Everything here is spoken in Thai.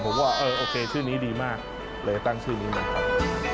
ผมว่าเออโอเคชื่อนี้ดีมากเลยตั้งชื่อนี้มาครับ